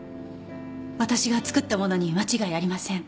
私が作ったものに間違いありません。